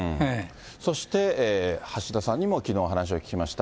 そして橋田さんにも、きのう話を聞きました。